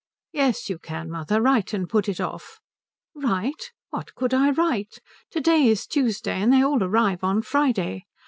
"Yes you can, mother. Write and put it off." "Write? What could I write? To day is Tuesday, and they all arrive on Friday.